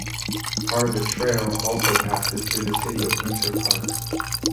Part of the trail also passes through the city of Winter Park.